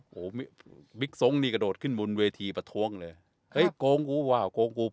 เออโอ้มีฟิกซงนี่กระโดดขึ้นบนเวทีปะท้วงเลยเฮ้ยโกงกูว้าปะโกงกูป่ะ